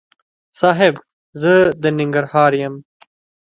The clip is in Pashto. صاحب! زه د ننګرهار یم.